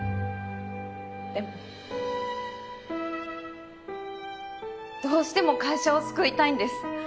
でもどうしても会社を救いたいんです。